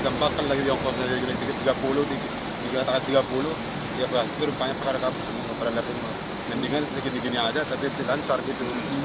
mendingan segini gini ada tapi dilancar gitu